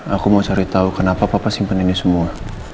aku mau cari tahu kenapa papa simpen ini semua